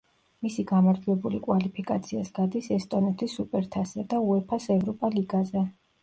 მისი გამარჯვებული კვალიფიკაციას გადის ესტონეთის სუპერთასზე და უეფა-ს ევროპა ლიგაზე.